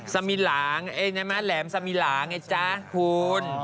สมีหลังแหลมสมีหลังไงจ๊ะคุณ